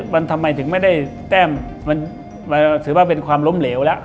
มันทำไมถึงไม่ได้แต้มมันถือว่าเป็นความล้มเหลวแล้ว